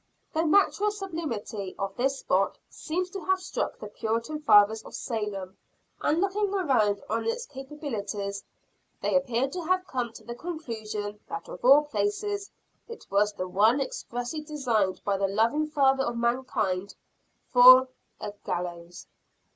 The natural sublimity of this spot seems to have struck the Puritan fathers of Salem, and looking around on its capabilities, they appear to have come to the conclusion that of all places it was the one expressly designed by the loving Father of mankind for a gallows!